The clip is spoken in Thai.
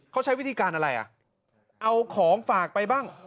เขาใช้วิธีการอะไรอ่ะเอาของฝากไปบ้าง